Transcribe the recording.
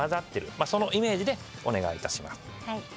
そのイメージでお願いいたします。